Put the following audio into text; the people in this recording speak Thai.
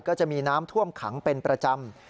ก็จะมีน้ำท่วมขังเป็นประจำ